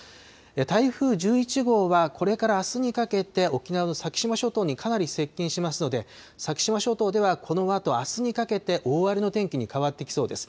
台風１１号はこれからあすにかけて沖縄の先島諸島にかなり接近しますので、先島諸島ではこのあとあすにかけて、大荒れの天気に変わってきそうです。